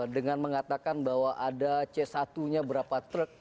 dengan mengatakan bahwa ada c satu nya berapa truk